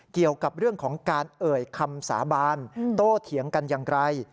เกี่ยวกับเรื่องของการเอ่ยคำสาบานโตเถียงกันอย่างไร